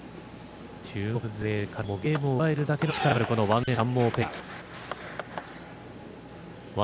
中国勢からもゲームを奪えるだけの力がある、ワン・ジェン、チャン・モーペア。